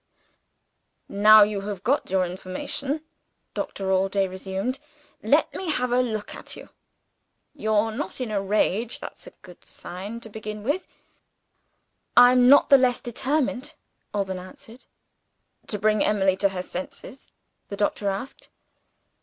"Now you have got your information," Doctor Allday resumed, "let me have a look at you. You're not in a rage: that's a good sign to begin with." "I am not the less determined," Alban answered. "To bring Emily to her senses?" the doctor asked.